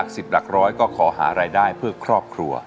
หลักร้อยก็ขอหารายได้เพื่อครอบครัว